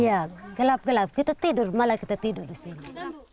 iya gelap gelap kita tidur malah kita tidur disini